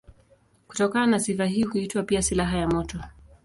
Kutokana na sifa hii huitwa pia silaha ya moto.